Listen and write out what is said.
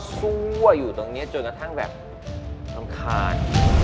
ซั่วอยู่ตรงนี้จนกระทั่งแบบรำคาญ